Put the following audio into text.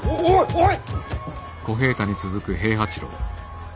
おい！